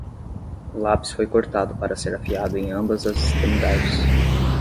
O lápis foi cortado para ser afiado em ambas as extremidades.